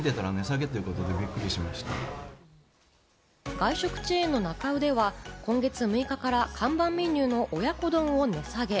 外食チェーンのなか卯では、今月６日から看板メニューの親子丼を値下げ。